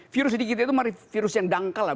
virus sedikit itu virus yang dangkal lah